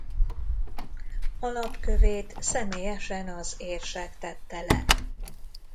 Alapkövét személyesen az érsek tette le.